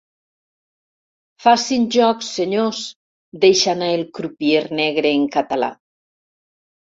Facin joc, senyors —deixa anar el crupier negre en català.